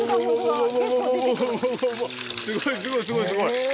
すごいすごいすごいすごい。